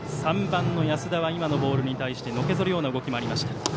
３番の安田は今のボールに対してのけぞるような動きもありました。